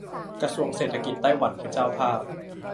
กระทรวงเศรษฐกิจไต้หวันเป็นเจ้าภาพ